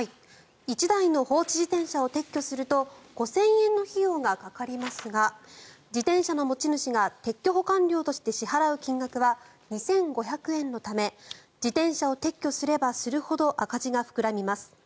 １台の放置自転車を撤去すると５０００円の費用がかかりますが自転車の持ち主が撤去保管料として支払う金額は２５００円のため自転車を撤去すればするほど赤字が膨らみます。